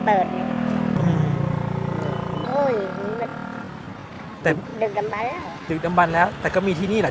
เปิดอืมอุ้ยเดือกดำบันแล้วเดือกดำบันแล้วแต่ก็มีที่นี่แหละ